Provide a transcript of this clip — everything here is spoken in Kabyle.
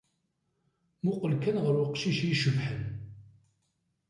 Mmuqqel kan ɣer uqcic i icebḥen.